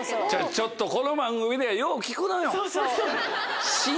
ちょっとこの番組ではよう聞くのよ。